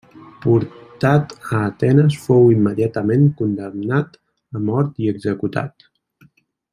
Portat a Atenes fou immediatament condemnat a mort i executat.